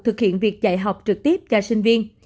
thực hiện việc dạy học trực tiếp cho sinh viên